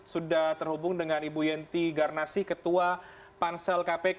sudah terhubung dengan ibu yenti garnasi ketua pansel kpk